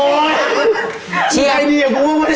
โอ๊ยแกบีอย่างคูยังไง